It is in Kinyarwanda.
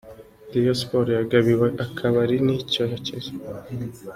Rayon Sports yagabiwe akabari n’icyokezo.